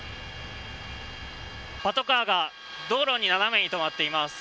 パトカーが道路に斜めに止まっています。